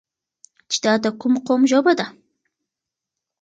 چې دا د کوم قوم ژبه ده؟